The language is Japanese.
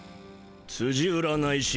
つじ占い師